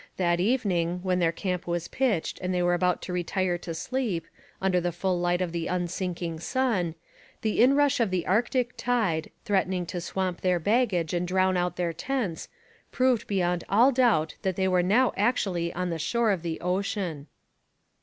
That evening, when their camp was pitched and they were about to retire to sleep, under the full light of the unsinking sun, the inrush of the Arctic tide, threatening to swamp their baggage and drown out their tents, proved beyond all doubt that they were now actually on the shore of the ocean.